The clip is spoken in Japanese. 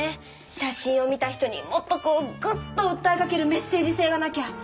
写真を見た人にもっとこうグッとうったえかけるメッセージせいがなきゃ！